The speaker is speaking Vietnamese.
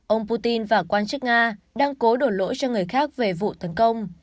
ông putin và quan chức nga đang cố đổ lỗi cho người khác về vụ tấn công